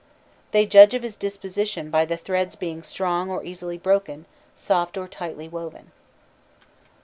They judge of his disposition by the thread's being strong or easily broken, soft or tightly woven.